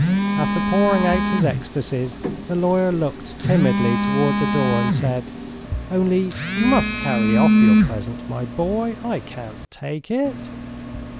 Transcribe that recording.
After pouring out his ecstasies the lawyer looked timidly towards the door and said: "Only you must carry off your present, my boy .... I can't take it.